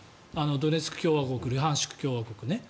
ドネツク共和国ルハンシク共和国ね。